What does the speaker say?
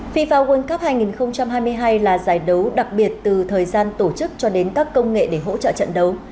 fifa world cup hai nghìn hai mươi hai là giải đấu đặc biệt từ thời gian tổ chức cho đến các công nghệ để hỗ trợ trận đấu